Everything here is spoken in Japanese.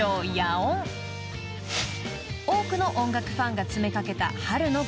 ［多くの音楽ファンが詰め掛けた春の午後］